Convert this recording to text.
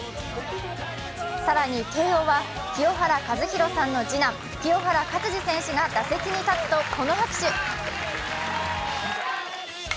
更に慶応は清原和博さんの次男、清原勝児選手が打席に立つと、この拍手。